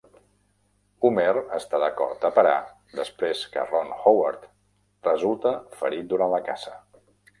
Homer està d'acord a parar després que Ron Howard resulta ferit durant la caça.